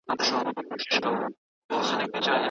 هغه د جګړې اور بل نه کړ.